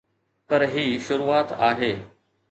پر هي شروعات آهي.